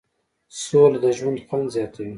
سوله د ژوند خوند زیاتوي.